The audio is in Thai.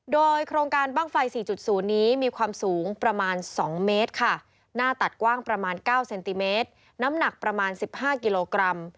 โดยโครงการบ้างไฟ๔๐นี้มีความสูงประมาณ๒เมตรค่ะหน้าตัดกว้างประมาณ๙เซนติเมตรน้ำหนักประมาณ๑๕กิโลกรัม